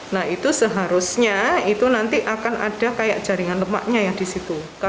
nah itu seharusnya itu nanti akan ada kayak jaringan lemaknya ya di situ